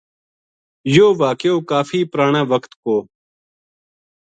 یوہ واقعو کافی پرانا وقت کو